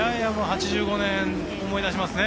８５年を思い出しますね